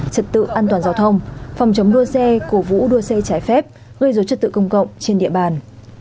trật tự an toàn giao thông phòng chống đua xe cổ vũ đua xe trái phép gây dối trật tự công cộng trên địa bàn